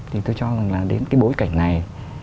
thì tôi cho rằng là đến cái bối cảnh này